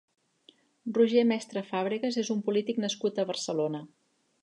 Roger Mestre Fàbregas és un polític nascut a Barcelona.